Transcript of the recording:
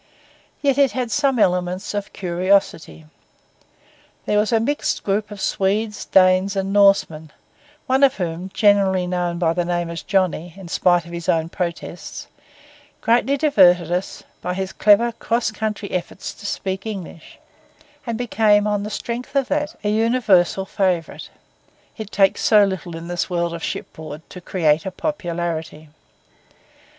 Yet it had some elements of curiosity. There was a mixed group of Swedes, Danes, and Norsemen, one of whom, generally known by the name of 'Johnny,' in spite of his own protests, greatly diverted us by his clever, cross country efforts to speak English, and became on the strength of that an universal favourite—it takes so little in this world of shipboard to create a popularity.